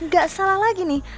gak salah lagi nih